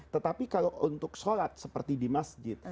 tetapi kalau untuk sholat seperti di masjid